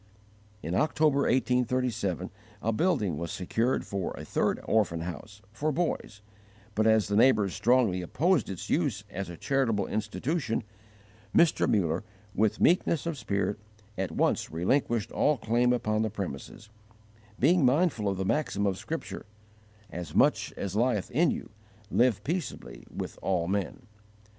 In October, 1837, a building was secured for a third orphan house, for boys; but as the neighbours strongly opposed its use as a charitable institution, Mr Muller, with meekness of spirit, at once relinquished all claim upon the premises, being mindful of the maxim of Scripture: "As much as lieth in you, live peaceably with all men."